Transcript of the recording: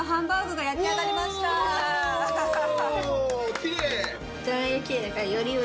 きれい！